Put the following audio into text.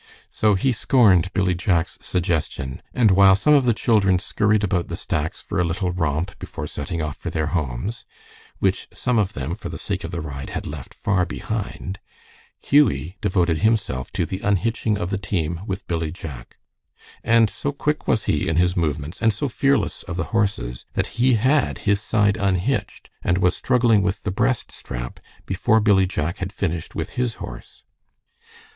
So he scorned Billy Jack's suggestion, and while some of the children scurried about the stacks for a little romp before setting off for their homes, which some of them, for the sake of the ride, had left far behind, Hughie devoted himself to the unhitching of the team with Billy Jack. And so quick was he in his movements, and so fearless of the horses, that he had his side unhitched and was struggling with the breast strap before Billy Jack had finished with his horse.